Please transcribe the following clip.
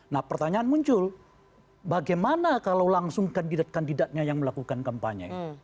nah pertanyaan muncul bagaimana kalau langsung kandidat kandidatnya yang melakukan kampanye